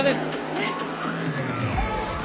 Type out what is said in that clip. えっ？